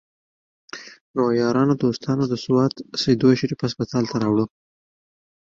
نو يارانو دوستانو د سوات سيدو شريف هسپتال ته راوړو